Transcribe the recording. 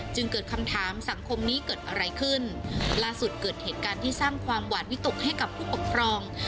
เกิดคำถามสังคมนี้เกิดอะไรขึ้นล่าสุดเกิดเหตุการณ์ที่สร้างความหวานวิตกให้กับผู้ปกครอง